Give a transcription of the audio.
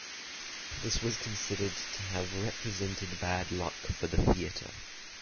This was considered to have represented bad luck for the theatre.